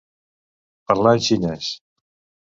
Parlar en xinès.